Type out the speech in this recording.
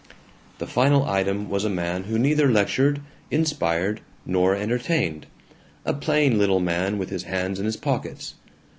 The final item was a man who neither lectured, inspired, nor entertained; a plain little man with his hands in his pockets.